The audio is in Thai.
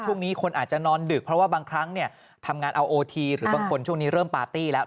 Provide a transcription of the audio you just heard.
ช่วงนี้คนอาจจะนอนดึกเพราะว่าบางครั้งเนี่ยทำงานเอาโอทีหรือบางคนช่วงนี้เริ่มปาร์ตี้แล้ว